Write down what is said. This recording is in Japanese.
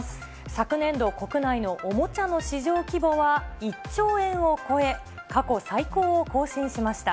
昨年度、国内のおもちゃの市場規模は１兆円を超え、過去最高を更新しました。